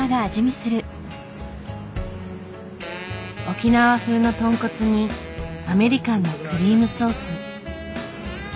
沖縄風の豚骨にアメリカンなクリームソース。